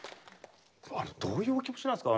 どういうお気持ちなんですか？